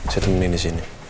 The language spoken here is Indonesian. saya temenin disini